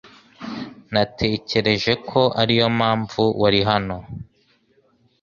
Natekereje ko ariyo mpamvu wari hano.